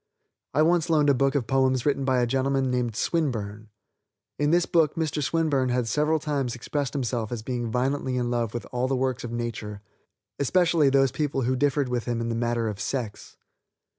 I once loaned a book of poems written by a gentleman named Swinburne. In this book Mr. Swinburne had several times expressed himself as being violently in love with all the works of nature, especially those people who differed with him in the matter of sex.